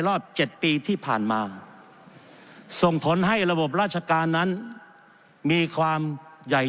รอบ๗ปีที่ผ่านมาส่งผลให้ระบบราชการนั้นมีความใหญ่